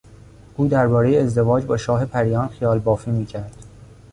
او دربارهی ازدواج با شاه پریان خیالبافی میکرد.